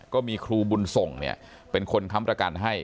ก็มีครูบุญส่งเนี่ยเป็นคนค้ำประกันให้